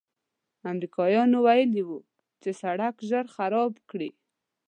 امریکایانو ویلي و چې سړک ژر خراب کړي.